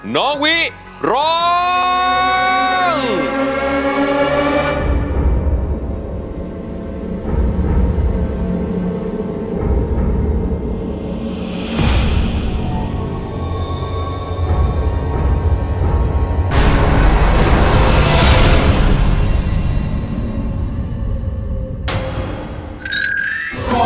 น้องวิร้อง